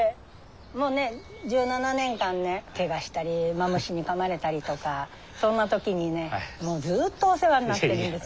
もうね１７年間ねケガしたりマムシにかまれたりとかそんな時にねもうずっとお世話になってるんです。